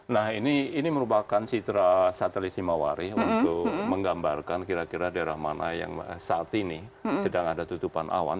nah ini merupakan citra satelit himawari untuk menggambarkan kira kira daerah mana yang saat ini sedang ada tutupan awan